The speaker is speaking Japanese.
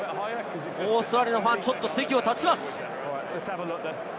オーストラリアのファン、ちょっと席を立ちます。